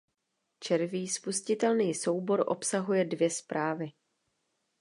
Červí spustitelný soubor obsahuje dvě zprávy.